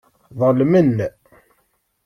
Ḍelmen.